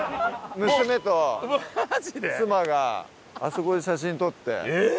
娘と妻があそこで写真撮って。